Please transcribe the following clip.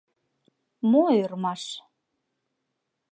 «Мо ӧрмаш?!